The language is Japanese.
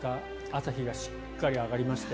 朝日がしっかり上がりまして。